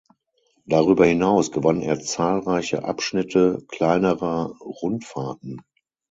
Darüber hinaus gewann er zahlreiche Abschnitte kleinerer Rundfahrten.